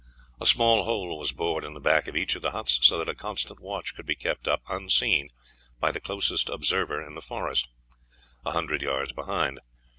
A small hole was bored in the back of each of the huts, so that a constant watch could be kept up unseen by the closest observer in the forest, a hundred yards behind.